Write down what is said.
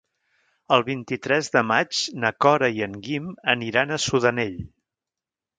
El vint-i-tres de maig na Cora i en Guim aniran a Sudanell.